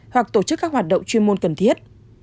hoặc tổ chức các hoạt động chuyên môn cần thiết